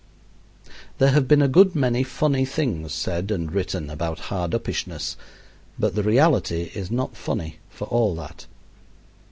There have been a good many funny things said and written about hardupishness, but the reality is not funny, for all that.